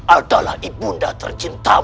adalah ibunda tercinta